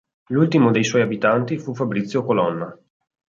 L'ultimo dei suoi abitanti fu Fabrizio Colonna.